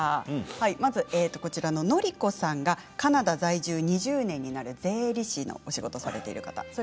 まずノリコさんがカナダ在住２０年になる税理士のお仕事されている方。